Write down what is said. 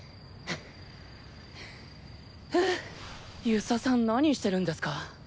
遊佐さん何してるんですか？